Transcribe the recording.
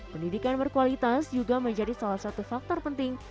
pendidikan berkualitas juga menjadi salah satu faktor penting